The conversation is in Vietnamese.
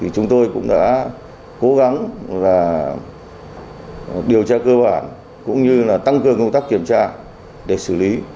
chúng tôi cũng đã cố gắng điều tra cơ bản cũng như tăng cường công tác kiểm tra để xử lý